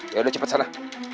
ya udah cepat sana